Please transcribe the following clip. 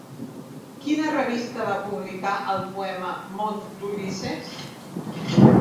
Quina revista va publicar el poema Món d'Ulisses?